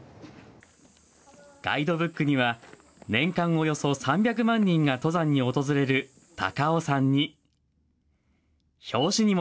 ガイドブックには年間およそ３００万人が登山に訪れる高尾山に。